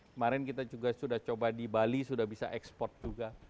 kemarin kita juga sudah coba di bali sudah bisa ekspor juga